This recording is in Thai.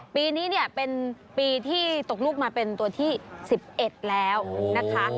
ปีนี้เนี่ยเป็นปีที่ตกลูกมาเป็นตัวที่๑๑แล้วนะคะ